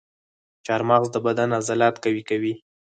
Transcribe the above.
چارمغز د بدن عضلات قوي کوي.